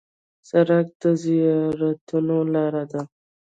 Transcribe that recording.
سړک د زیارتونو لار ده.